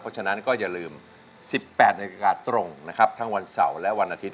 เพราะฉะนั้นก็อย่าลืม๑๘นาฬิกาตรงนะครับทั้งวันเสาร์และวันอาทิตย